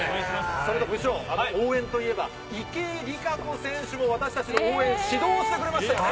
部長、応援といえば、池江璃花子選手も私達を応援、指導してくれました。